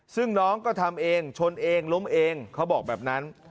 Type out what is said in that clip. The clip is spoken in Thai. ซึ่งน้องก็ทำเองชนเองล้มเองเขาบอกแบบนั้น